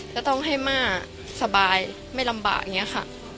จะต้องให้ม่าสบายไม่ลำบากอย่างนี้ค่ะ